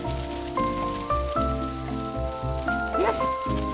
よし！